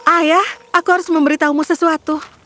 ayah aku harus memberitahumu sesuatu